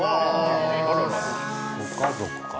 ご家族かな？